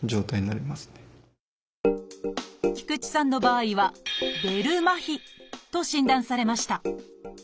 菊地さんの場合はと診断されました。